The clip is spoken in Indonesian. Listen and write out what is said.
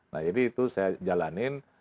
nah jadi itu saya jalanin